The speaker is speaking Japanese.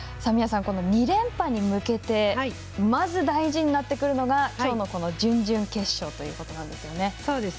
この２連覇に向けてまず大事になってくるのがきょうの準々決勝ということなんですよね。